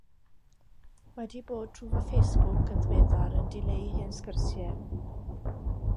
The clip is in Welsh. Wedi bod trwy fy Facebook yn ddiweddar yn dileu hen sgyrsiau.